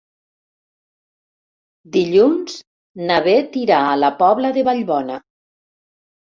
Dilluns na Beth irà a la Pobla de Vallbona.